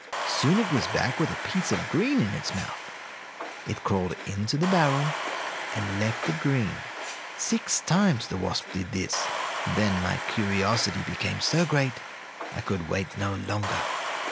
Soon it was back with a piece of green in its mouth. It crawled into the barrel and left the green. Six times the wasp did this; then my curiosity became so great I could wait no longer.